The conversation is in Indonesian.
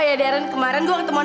oh ya darren kemarin gue ketemu anang